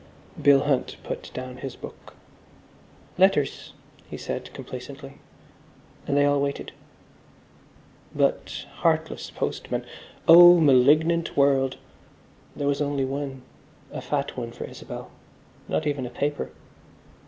Bill Hunt put down his book. "Letters," he said complacently, and they all waited. But, heartless postman—O malignant world! There was only one, a fat one for Isabel. Not even a paper.